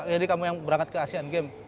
jadi kamu yang berangkat ke asian games